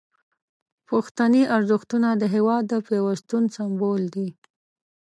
پښتني ارزښتونه د هیواد د پیوستون سمبول دي.